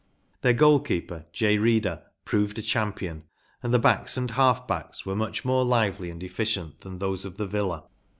Their goal keeper, J. Reader, proved a champion; and the backs and half backs were much more lively and efficient than those of the Villa.